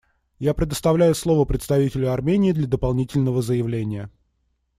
Я предоставляю слово представителю Армении для дополнительного заявления.